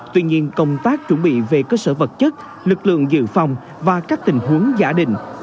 tuy nhiên công tác chuẩn bị về cơ sở vật chất lực lượng dự phòng và các tình huống giả định